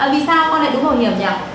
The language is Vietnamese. vì sao con lại đúng hồi hiểm nhỉ